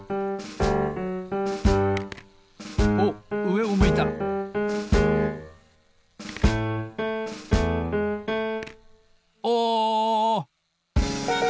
おっうえを向いたお！